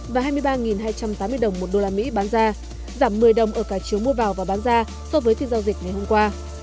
và hai mươi ba hai trăm tám mươi đồng một đô la mỹ bán ra giảm một mươi đồng ở cả chiều mua vào và bán ra so với phiên giao dịch ngày hôm qua